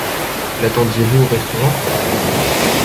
L’attendiez-vous au restaurant?